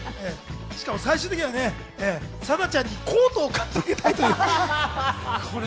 しかも最終的には貞ちゃんにコートを買ってあげたいという。